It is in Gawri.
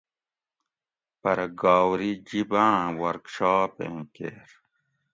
"پرہ "" گاؤری جِب آۤں ورکشاپ ایں کیر"""